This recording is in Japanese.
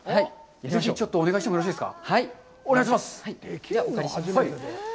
ぜひ、ちょっとお願いしてもよろしいですか。